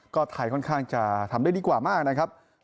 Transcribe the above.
ก็ไทยค่อนข้างจะทำได้ดีกว่ามากนะครับ